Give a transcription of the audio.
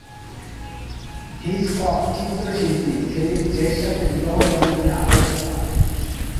Hitchcock চিত্রশিল্পী Cecil জে'র সাথে বিবাহ বন্ধনে আবদ্ধ হন।